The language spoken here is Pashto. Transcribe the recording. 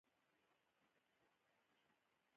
عین نیوکه پر اصطلاح هم واردېږي.